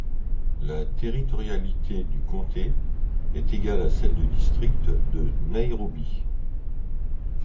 La territorialité du comté est égale à celle du district de Nairobi.